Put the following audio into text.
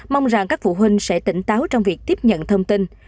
mong rằng các phụ huynh sẽ tỉnh táo trong việc tiếp nhận thông tin